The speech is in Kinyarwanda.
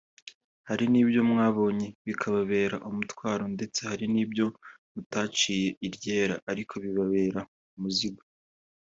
Hari n’ibyo mwabonye bikababera umutwaro; ndetse hari n’ibyo mutaciye iryera ariko bibabera umuzigo